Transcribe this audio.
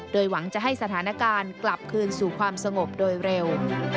โดยหวังจะให้สถานการณ์กลับคืนสู่ความสงบโดยเร็ว